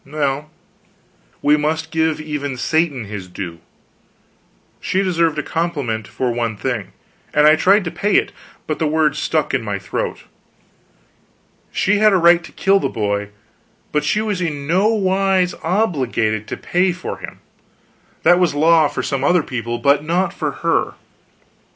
Well, we must give even Satan his due. She deserved a compliment for one thing; and I tried to pay it, but the words stuck in my throat. She had a right to kill the boy, but she was in no wise obliged to pay for him. That was law for some other people, but not for her.